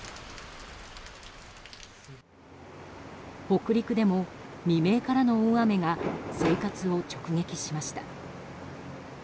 北陸でも、未明からの大雨が生活を直撃しました。